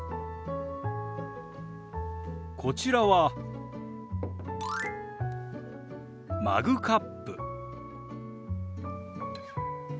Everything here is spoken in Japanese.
こちらはマグカップ。